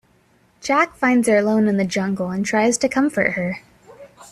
Jack finds her alone in the jungle and tries to comfort her.